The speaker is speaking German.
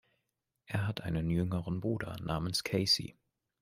Er hat einen jüngeren Bruder namens Casey.